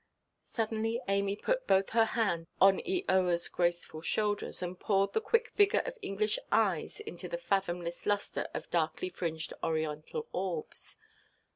Suddenly Amy put both her hands on Eoaʼs graceful shoulders, and poured the quick vigour of English eyes into the fathomless lustre of darkly–fringed Oriental orbs.